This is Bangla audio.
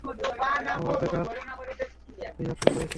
আমরা বেকার রিজার্ভেশন করেছি।